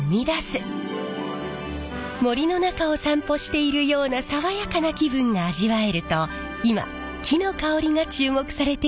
森の中を散歩しているような爽やかな気分が味わえると今木の香りが注目されています。